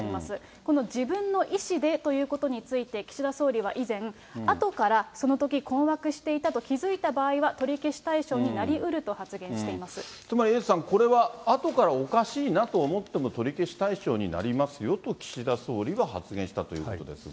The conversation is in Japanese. この自分の意思でということについて岸田総理は以前、あとから、そのとき困惑していたと気付いた場合は取り消し対象になりうるとつまりエイトさん、これはあとからおかしいなと思っても取り消し対象になりますよと岸田総理は発言したということですが。